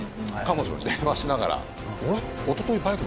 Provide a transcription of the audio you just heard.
彼女に電話しながらあれ？